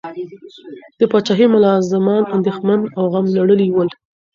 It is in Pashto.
د پاچاهۍ ملازمان اندیښمن او غم لړلي ول.